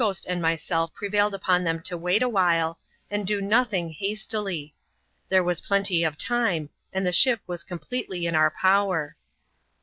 xdc Gbost and myself preyailed upon them to wait awhile, and do nothing hastily ; there was plenty of time, and the ship was coHh pletely in our power.